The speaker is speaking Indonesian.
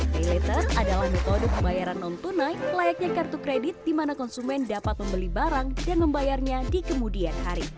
pay later adalah metode pembayaran non tunai layaknya kartu kredit di mana konsumen dapat membeli barang dan membayarnya di kemudian hari